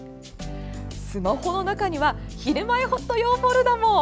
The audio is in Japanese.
スマホの中にはひるまえほっと用フォルダも！